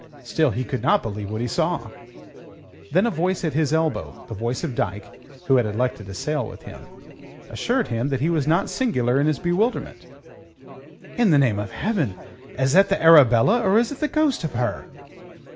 Still he could not believe what it saw. And then a voice at his elbow the voice of Dyke, who had elected to sail with him assured him that he was not singular in his bewilderment. "In the name of Heaven, is that the Arabella or is it the ghost of her?"